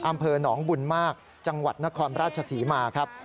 อำเภอหนองบุญมากจังหวัดนครราชศรีมาครับ